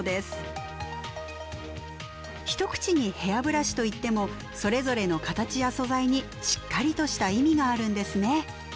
一口にヘアブラシといってもそれぞれの形や素材にしっかりとした意味があるんですね。